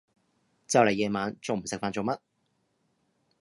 就嚟夜晚，仲唔食飯做乜？